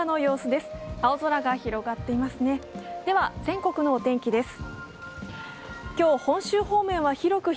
では全国のお天気です。